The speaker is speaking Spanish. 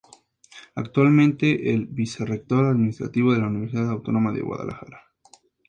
Actualmente es Vicerrector Administrativo de la Universidad Autónoma de Guadalajara.